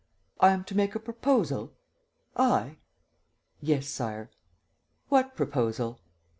"I am to make a proposal? I?" "Yes, Sire." "What proposal?"